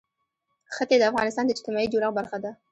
ښتې د افغانستان د اجتماعي جوړښت برخه ده.